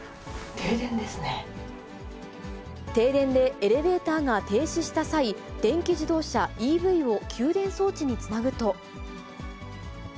停電でエレベーターが停止した際、電気自動車・ＥＶを給電装置につなぐと。